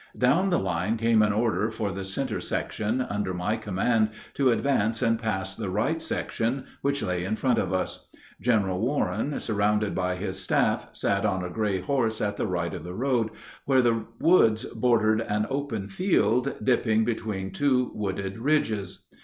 Down the line came an order for the center section, under my command, to advance and pass the right section, which lay in front of us. General Warren, surrounded by his staff, sat on a gray horse at the right of the road where the woods bordered an open field dipping between two wooded ridges.